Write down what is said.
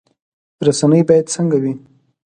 رسنۍ باید څنګه وي؟